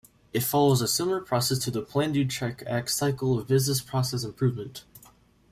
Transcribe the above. It follows a similar process to the plan-do-check-act cycle of business process improvement.